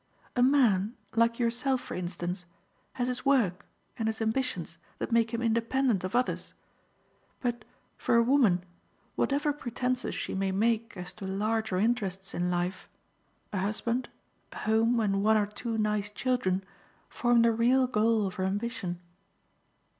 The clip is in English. A man like yourself, for instance has his work and his ambitions that make him independent of others. But, for a woman, whatever pretences she may make as to larger interests in life, a husband, a home and one or two nice children form the real goal of her ambition."